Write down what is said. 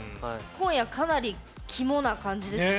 今夜、かなり肝な感じですよね。